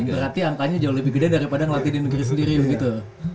berarti angkanya jauh lebih mudah daripada ngelatih di negeri sendiri begitu